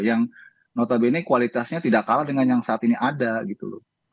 yang notabene kualitasnya tidak kalah dengan yang saat ini ada gitu loh